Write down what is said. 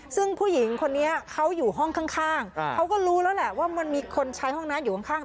ซึ่งผู้หญิงคนนี้เขาอยู่ห้องข้างเขาก็รู้แล้วแหละว่ามันมีคนใช้ห้องน้ำอยู่ข้าง